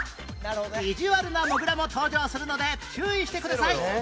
意地悪なモグラも登場するので注意してください